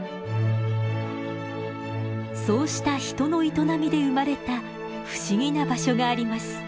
そうした人の営みで生まれた不思議な場所があります。